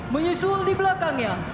menyusul di belakangnya